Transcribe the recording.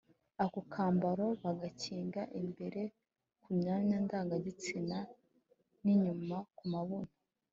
Ako kambaro bagakinga imbere ku myanya ndangagitsina n’inyuma ku mabuno.